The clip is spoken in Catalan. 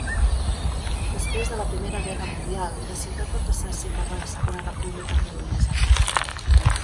Després de la Primera Guerra mundial, la ciutat va passar a ser part de la Segona República Polonesa.